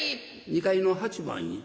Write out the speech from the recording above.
２階の８番に。